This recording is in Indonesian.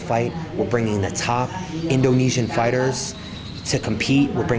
kita membawa pertempuran indonesia tertinggi untuk bergabung